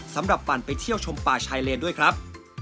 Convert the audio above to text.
ปั่นไปเที่ยวชมป่าชายเลนด้วยครับ